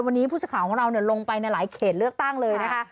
วันนี้ผู้สื่อข่าวของเราลงไปในหลายเขตเลือกตั้งเลยนะคะ